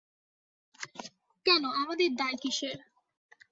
কেন, আমাদের দায় কিসের।